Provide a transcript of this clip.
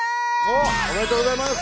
おめでとうございます！